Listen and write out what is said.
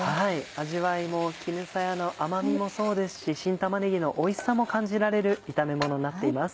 味わいも絹さやの甘みもそうですし新玉ねぎのおいしさも感じられる炒めものになっています。